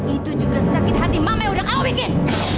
itu juga sakit hati mama yang udah kamu bikin